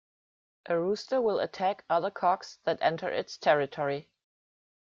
A rooster will attack other cocks that enter its territory.